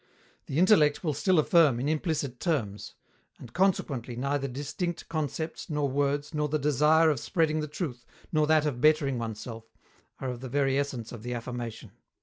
The intellect will still affirm, in implicit terms. And consequently, neither distinct concepts, nor words, nor the desire of spreading the truth, nor that of bettering oneself, are of the very essence of the affirmation.